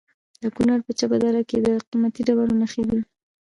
د کونړ په چپه دره کې د قیمتي ډبرو نښې دي.